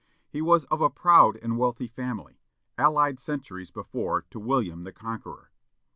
He was of a proud and wealthy family, allied centuries before to William the Conqueror.